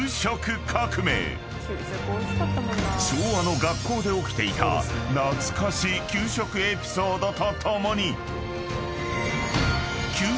［昭和の学校で起きていた懐かし給食エピソードと共に］